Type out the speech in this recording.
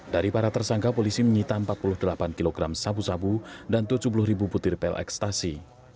dari para tersangka polisi menyita empat puluh delapan kg sabu sabu dan tujuh puluh ribu butir pil ekstasi